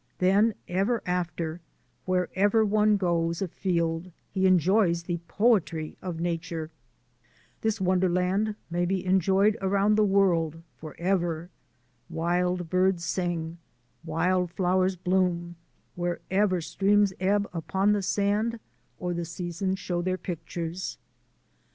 Then, ever after, wherever one goes afield he enjoys the poetry of nature. This wonderland 246 THE ADVENTURES OF A NATURE GUIDE may be enjoyed around the world, forever. Wild birds sing, wild flowers bloom wherever streams ebb upon the sand or the seasons show their pictures.